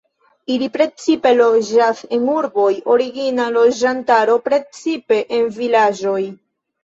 Ili precipe loĝas en urboj, origina loĝantaro precipe en vilaĝoj.